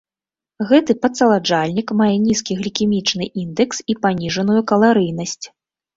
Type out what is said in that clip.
Гэты падсаладжальнік мае нізкі глікемічны індэкс і паніжаную каларыйнасць.